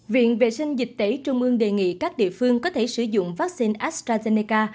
viện vệ sinh dịch tễ trung ương đề nghị các địa phương có thể sử dụng vaccine astrazeneca